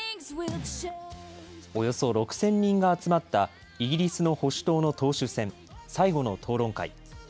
およそ６０００人が集まったイギリスの保守党の党首選、最後の討論会。